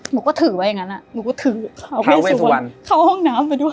หนูก็ถือชาเวนสุวรรณข้าวห้องน้ำไปด้วย